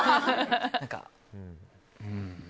何か。